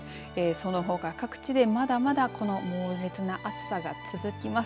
そのほか各地でまだまだ猛烈な暑さが続きます。